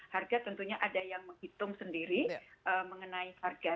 harga tentunya ada yang menghitung sendiri mengenai harga